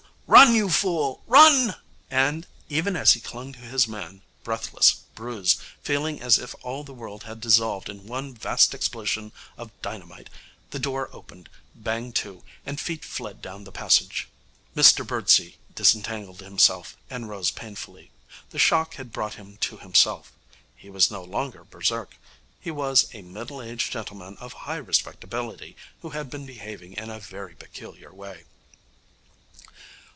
Run, you fool! Run!' And, even as he clung to his man, breathless, bruised, feeling as if all the world had dissolved in one vast explosion of dynamite, the door opened, banged to, and feet fled down the passage. Mr Birdsey disentangled himself, and rose painfully. The shock had brought him to himself. He was no longer berserk. He was a middle aged gentleman of high respectability who had been behaving in a very peculiar way.